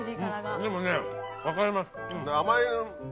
でもね分かります。